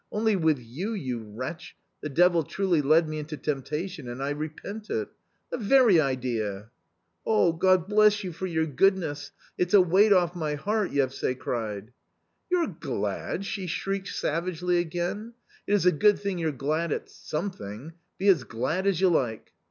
Only with you, you wretch, the devil truly led me into temptation, and I repent it. The very idea !"" God bless you for your goodness ! it's a weight off my heart !" Yevsay cried. "You're glad!" she shrieked savagely again; "it is a good thing you're glad at something — be as glad as you like."